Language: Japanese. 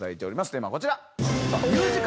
テーマはこちら。